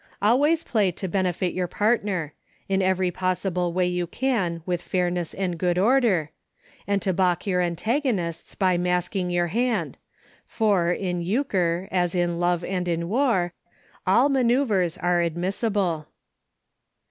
Always play to benefit your partner — in every possible way you can with fairness and good order — and to balk your antagonists by masking your hand, for in Euchre, as in Love and in War, all manoeuvres are admissi ble.